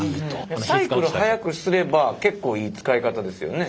サイクル速くすれば結構いい使い方ですよね？